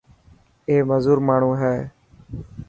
اي مزور ماڻهو هي.